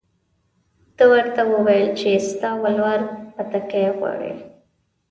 ده ورته وویل چې ستا ولور بتکۍ غواړي.